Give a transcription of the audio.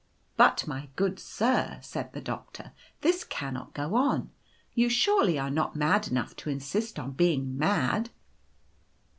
u i But, my good sir/ said the Doctor, c this cannot go on. You surely are not mad enough to insist on being mad